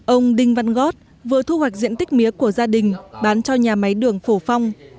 ông đinh văn gót vừa thu hoạch diện tích mía của gia đình bán cho nhà máy đường phổ phong